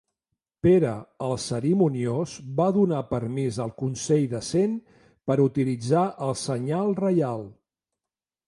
Pere el Cerimoniós va donar permís al Consell de Cent per utilitzar el Senyal Reial.